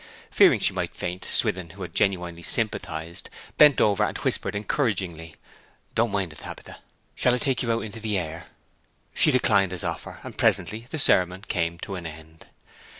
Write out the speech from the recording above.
Fearing she might faint, Swithin, who had genuinely sympathized, bent over and whispered encouragingly, 'Don't mind it, Tabitha. Shall I take you out into the air?' She declined his offer, and presently the sermon came to an end.